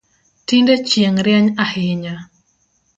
Tinde chieng rieny ahinya